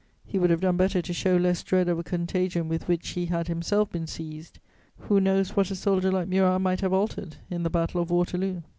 He would have done better to show less dread of a contagion with which he had himself been seized: who knows what a soldier like Murat might have altered in the Battle of Waterloo?